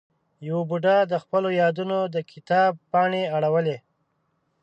یوه بوډا د خپلو یادونو د کتاب پاڼې اړولې.